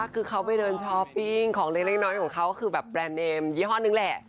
คือเขาไปเดินช้อปปิ้งของเล็กน้อยของเขาก็คือแบบแบรนด์เนมยี่ห้อนึงแหละ